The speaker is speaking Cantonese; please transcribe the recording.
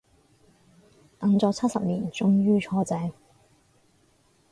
等咗七十年終於坐正